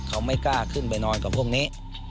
เขาไม่กล้าขึ้นไปนอนกับพวกนี้